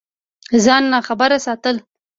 ځان ناخبره ساتل